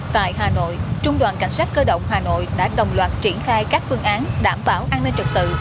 tại hà nội trung đoàn cảnh sát cơ động hà nội đã đồng loạt triển khai các phương án đảm bảo an ninh trực tự